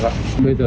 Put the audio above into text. hết hai loại thuốc